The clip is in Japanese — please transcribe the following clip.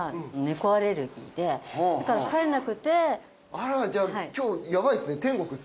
あらじゃあ今日ヤバいですね天国ですね。